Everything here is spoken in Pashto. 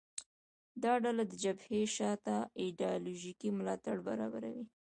دا ډله د جبهې شا ته ایدیالوژیکي ملاتړ برابروي